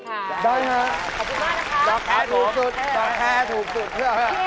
ขอบคุณมากค่ะดอกแคถูกสุด